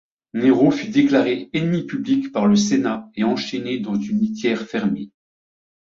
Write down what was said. Nero fut déclaré ennemi public par le sénat et enchaîné dans une litière fermée.